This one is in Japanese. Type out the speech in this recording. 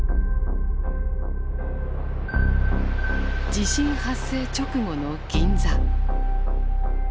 地震発生直後の銀座。